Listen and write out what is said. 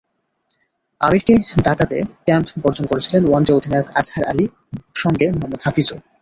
আমিরকে ডাকাতে ক্যাম্প বর্জন করেছিলেন ওয়ানডে অধিনায়ক আজহার আলী, সঙ্গে মোহাম্মদ হাফিজও।